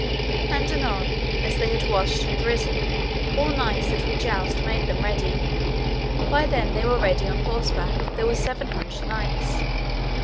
And anon, as they had washen and risen, all knights that would joust made them ready; by then they were ready on horseback there were seven hundred knights.